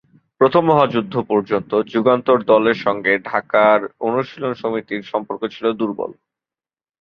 প্রথম মহাযুদ্ধ পর্যন্ত যুগান্তর দলের সঙ্গে ঢাকা অনুশীলন সমিতির সম্পর্ক ছিল দুর্বল।